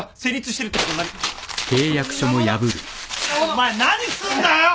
お前何すんだよ！